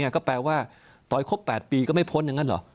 ก็แปลว่าต่อให้ครบ๘ปีก็ไม่พ้นอย่างนั้นเหรอ